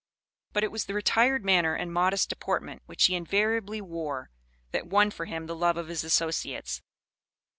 But it was the retired manner and modest deportment, which he invariably wore, that won for him the love of his associates.